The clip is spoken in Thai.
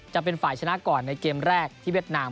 จะเป็นฝ่ายชนะก่อนในเกมแรกที่เวียดนาม